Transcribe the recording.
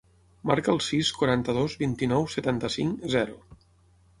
Marca el sis, quaranta-dos, vint-i-nou, setanta-cinc, zero.